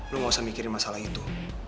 lu gak usah mikirin masalah itu